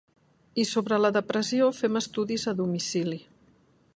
I sobre la depressió fem estudis a domicili.